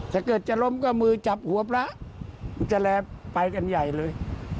ถ้าเกิดจะล้มก็มือจับหัวพระมันจะแลไปกันใหญ่เลย